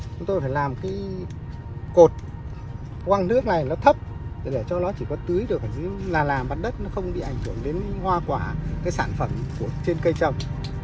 chúng tôi phải làm cái cột quang nước này nó thấp để cho nó chỉ có tưới được ở dưới là làm mặt đất nó không bị ảnh hưởng đến hoa quả cái sản phẩm trên cây trồng